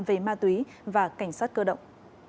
về ma túy và cảnh sát cơ động